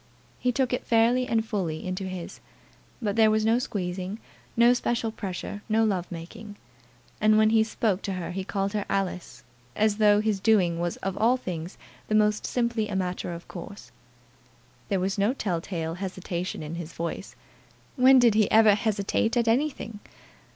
He took it fairly and fully into his; but there was no squeezing, no special pressure, no love making. And when he spoke to her he called her Alice, as though his doing so was of all things the most simply a matter of course. There was no tell tale hesitation in his voice. When did he ever hesitate at anything?